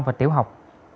và tiểu học